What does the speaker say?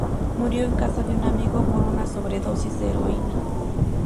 Murió en casa de un amigo por una sobredosis de heroína.